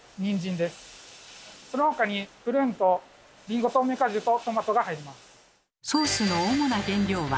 その他にプルーンとりんご透明果汁とトマトが入ります。